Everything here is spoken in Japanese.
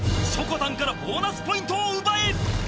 ［しょこたんからボーナスポイントを奪え！］